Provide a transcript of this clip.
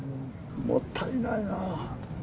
もったいないな。